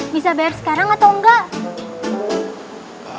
bisa bayar sekarang atau enggak